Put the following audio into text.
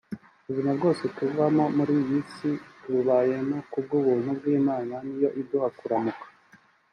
Ubuzima bwose tubamo muri iyi si tububayeho ku bw’ubuntu bw’Imana niyo iduha kuramuka